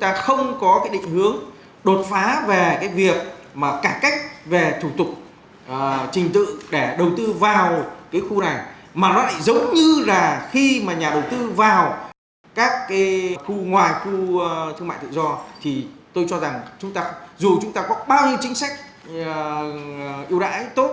trong khu ngoài khu thương mại tự do tôi cho rằng dù chúng ta có bao nhiêu chính sách ưu đãi tốt